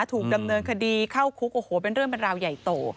ถูกดำเนินคดีเข้าคุกโอ้โหเป็นเรื่องเป็นราวใหญ่โต